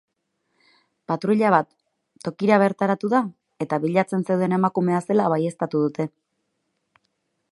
Patruila bat tokira bertaratu da eta bilatzen zeuden emakumea zela baieztatu dute.